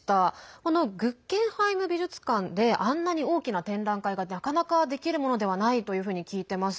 このグッゲンハイム美術館であんなに大きな展覧会がなかなか、できるものではないというふうに聞いてます。